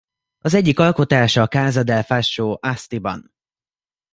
Egyik alkotása a Casa del Fascio Astiban.